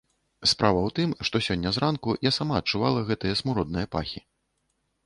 Справа ў тым, што сёння зранку я сама адчувала гэтыя смуродныя пахі.